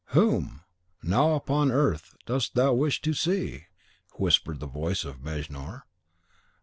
"Whom, now upon earth, dost thou wish to see?" whispered the voice of Mejnour.